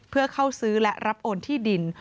เพื่อเข้าซื้อและรับโอนที่ดิน